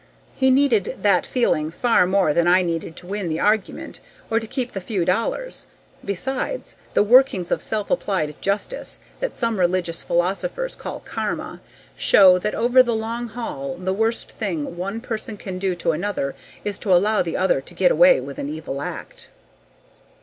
He needed that feeling far more than I needed to win the argument or to keep the few dollars Besides, the workings of self applied justice that some religious philosophers call karma show that over the long haul the worst thing one person can do to another is to allow the other to get away with an evil act.